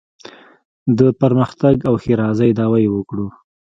د پرمختګ او ښېرازۍ دعوا یې وکړو.